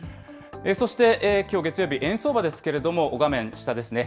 そして、きょう月曜日、円相場ですけれども、画面下ですね。